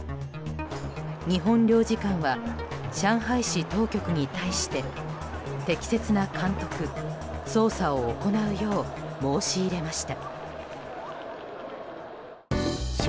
日本領事館は上海市当局に対して適切な監督・捜査を行うよう申し入れました。